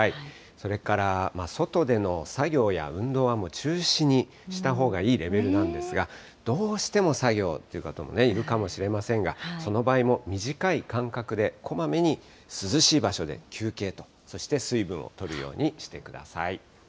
それから外での作業や運動は中止にしたほうがいいレベルなんですが、どうしても作業という方もいるかもしれませんが、その場合も短い間隔で、こまめに涼しい場所で休憩と、そして水分をとるようにしてください。